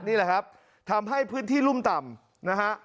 นี่แหละครับทำให้พื้นที่รุ่มต่ำนะฮะ